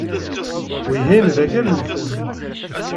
Wihin d akal-nsen.